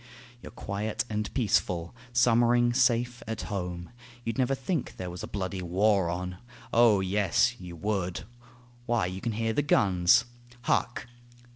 You're quiet and peaceful, summering safe at home; You'd never think there was a bloody war on!... O yes, you would ... why, you can hear the guns. Hark!